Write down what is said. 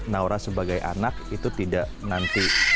naura sebagai anak itu tidak nanti